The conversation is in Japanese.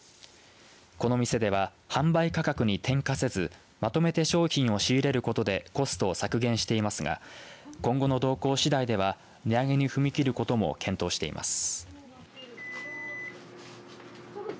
この店では販売価格に転嫁せずまとめて商品を仕入れることでコストを削減していますが今後の動向しだいでは値上げに踏み切ることも検討しています。